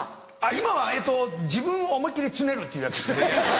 今はえっと自分を思いっ切りつねるっていうやつです。